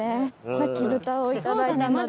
さっき豚をいただいたので。